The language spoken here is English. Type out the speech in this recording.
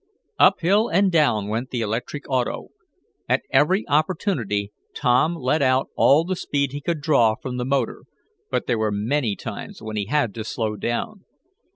Up hill and down went the electric auto. At every opportunity Tom let out all the speed he could draw from the motor, but there were many times when he had to slow down.